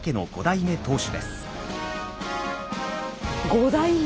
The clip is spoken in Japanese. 五代目！